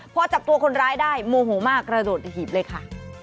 พอจับตัวคนร้ายได้โมโหมากกระโดดหีบเลยค่ะ